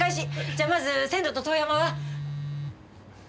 じゃあまず仙堂と遠山は。